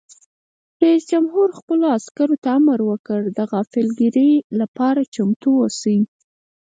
رئیس جمهور خپلو عسکرو ته امر وکړ؛ د غافلګیرۍ لپاره چمتو اوسئ!